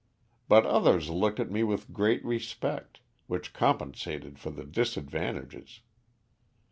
But others looked at me with great respect, which compensated for the disadvantages.